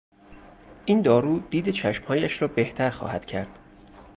این دارو دید چشمهایش را بهتر خواهد کرد.